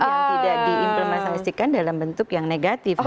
yang tidak diimplementasikan dalam bentuk yang negatif